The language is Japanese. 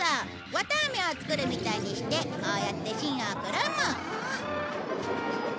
綿あめを作るみたいにしてこうやって芯をくるむ。